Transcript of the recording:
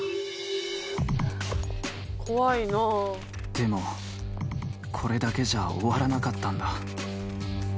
「でもこれだけじゃ終わらなかったんだ」